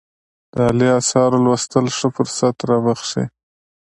د عالي آثارو لوستل ښه فرصت رابخښي.